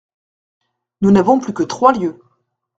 Nous n'avons plus que trois lieues.